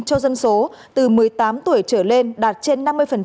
cho dân số từ một mươi tám tuổi trở lên đạt trên năm mươi